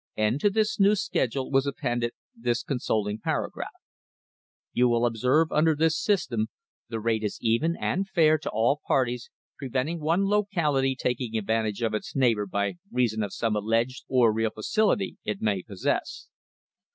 And to this new schedule was appended this consoling paragraph : "You will observe that under this system the rate is even and fair to all parties, preventing one locality taking advantage of its neigh bour by reason of some alleged or real facility it may possess.